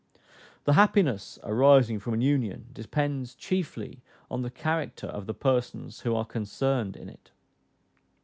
The happiness arising from an union depends chiefly on the character of the persons who are concerned in it.